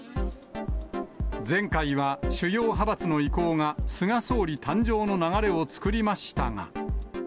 前回は主要派閥の意向が菅総理誕生の流れを作りましたが。